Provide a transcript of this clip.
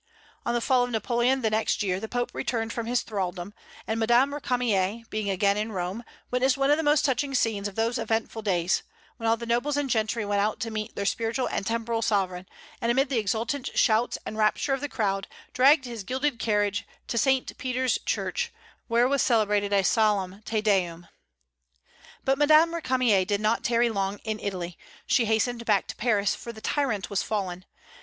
On the fall of Napoleon the next year the Pope returned from his thraldom; and Madame Récamier, being again in Rome, witnessed one of the most touching scenes of those eventful days, when all the nobles and gentry went out to meet their spiritual and temporal sovereign, and amid the exultant shouts and rapture of the crowd, dragged his gilded carriage to St. Peter's Church, where was celebrated a solemn Te Deum. But Madame Récamier did not tarry long in Italy, She hastened back to Paris, for the tyrant was fallen.